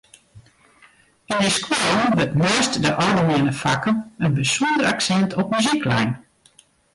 Yn dy skoallen wurdt neist de algemiene fakken in bysûnder aksint op muzyk lein.